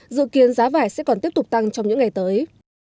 dự kiến giá vải sẽ còn tiếp tục tăng trong những ngày tới